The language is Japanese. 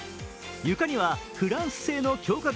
床にはフランス製の強化